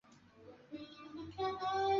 hawa inasemekana wanatokea katika koo za Bahitira